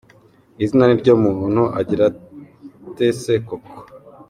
izina niryo muntu Agirate se koko?